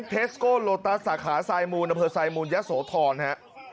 เพสโกโลตัสสาขาไซมูนอเมอร์ไซมูนยะโสธรนะฮะ